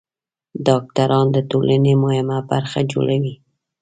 ډاکټران د ټولنې مهمه برخه جوړوي.